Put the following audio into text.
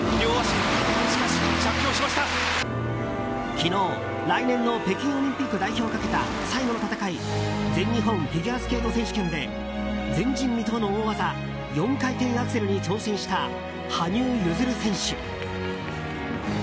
昨日、来年の北京オリンピック代表をかけた最後の戦い、全日本フィギュアスケート選手権で前人未到の大技４回転アクセルに挑戦した羽生結弦選手。